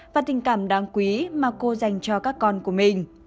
và tình cảm đáng quý mà cô dành cho các con của mình